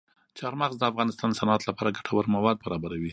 چار مغز د افغانستان د صنعت لپاره ګټور مواد برابروي.